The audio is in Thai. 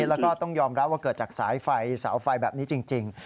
แล้วก็ต้องยอมรับเกิดจากสายไฟแบบนี้จริง